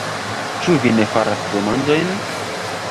Ĉu vi ne faras demandojn?